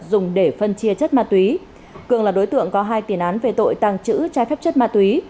dùng để phân chia chất ma túy cường là đối tượng có hai tiền án về tội tàng trữ trái phép chất ma túy